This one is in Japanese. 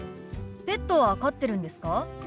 ペットは飼ってるんですか？